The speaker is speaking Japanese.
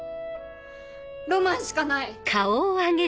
ロマンしかない。